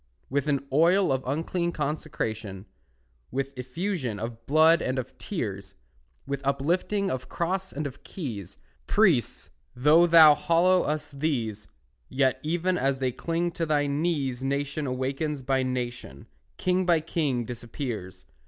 With an oil of unclean consecration, With effusion of blood and of tears, With uplifting of cross and of keys, Priest, though thou hallow us these, Yet even as they cling to thy knees Nation awakens by nation, King by king disappears.